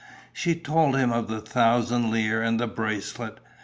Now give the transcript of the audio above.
She told him of the thousand lire and the bracelet.